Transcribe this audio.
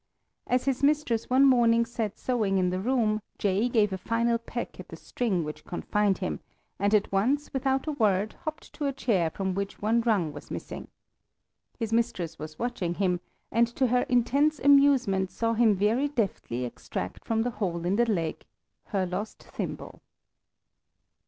As his mistress one morning sat sewing in the room, Jay gave a final peck at the string which confined him, and at once, without a word, hopped to a chair from which one rung was missing. His mistress was watching him, and to her intense amusement saw him very deftly extract from the hole in the leg her lost thimble.